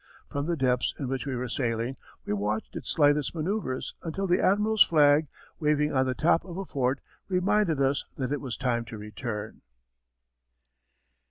From the depths in which we were sailing we watched its slightest manoeuvres until the admiral's flag, waving on the top of a fort, reminded us that it was time to return.